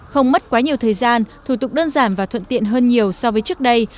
không mất quá nhiều thời gian thủ tục đơn giản và thuận tiện hơn nhiều so với trước đây